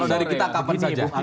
dari kita kapan saja